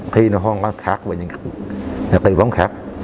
thì nó hoàn toàn khác với những tử vong khác